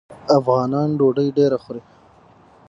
افغانان ډوډۍ ډیره خوري.